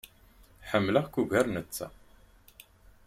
Ḥemmleɣ-k ugar netta.